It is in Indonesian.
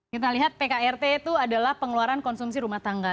kita lihat pkrt itu adalah pengeluaran konsumsi rumah tangga